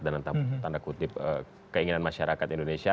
dalam tanda kutip keinginan masyarakat indonesia